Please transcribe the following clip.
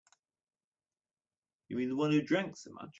You mean the one who drank so much?